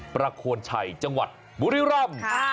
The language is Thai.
ประโคนชัยจังหวัดบุริรัมค่ะ